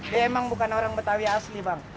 dia emang bukan orang betawi asli bang